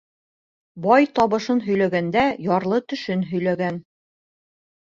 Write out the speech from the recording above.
Бай табышын һөйләгәндә, ярлы төшөн һөйләгән.